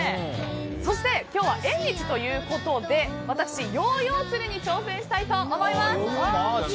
そして今日は縁日ということで、私ヨーヨーつりに挑戦したいと思います。